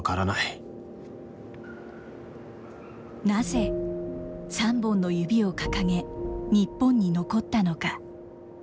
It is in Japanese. なぜ、３本の指を掲げ、日本に残ったのか。